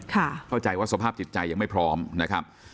เข้าใจว่าสภาพจิตใจยังไม่พร้อมนะครับ